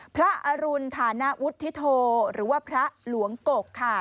อรุณฐานวุฒิโธหรือว่าพระหลวงกกค่ะ